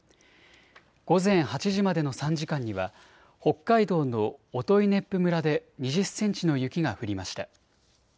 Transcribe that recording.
午前８時までの３時間には北海道の音威子府村で２０センチの雪が降りました。